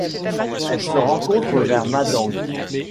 Elle se rencontre vers Madang.